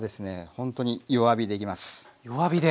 ほんとに弱火でいきます。